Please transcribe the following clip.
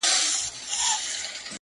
د اجل د ښکاري غشي پر وزر یمه ویشتلی -